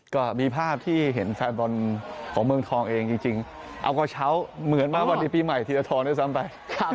ก็มีภาพที่เห็นแฟนบอลของเมืองทองเองจริงจริงเอาคว่าเช้าเหมือนมาวันอี้ปีใหม่ที่จะทรอนขึ้นซับไป